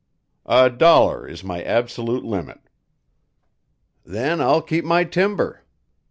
"A dollar is my absolute limit." "Then I'll keep my timber."